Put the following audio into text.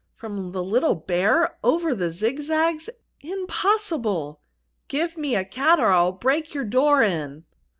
"From the Little Bear? Over the zigzags? Impossible!" "Give me a cat or I'll break your door in!"